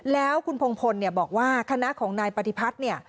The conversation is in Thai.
แล้วคุณพงพลเนี่ยบอกว่าคณะของนายปฏิพัฒน์เนี่ย